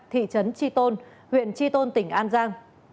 thị trấn tri tôn huyện tri tôn tỉnh an giang